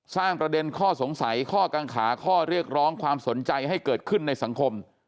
สร้างประเด็นข้อสงสัยข้อกังขาข้อเรียกร้องความสนใจให้เกิดขึ้นในสังคม